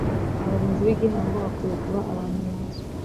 abarinzi b'igihango bakwiye kuba abantu bazwi